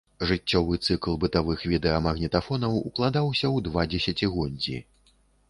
Жыццёвы цыкл бытавых відэамагнітафонаў уклаўся ў два дзесяцігоддзі.